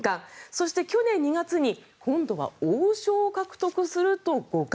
そして、去年２月に今度は王将を獲得すると、五冠。